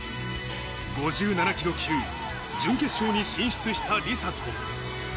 ５７キロ級準決勝に進出した梨紗子。